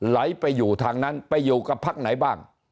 ไหลไปอยู่ทางนั้นไปอยู่กับพักไหนบ้าง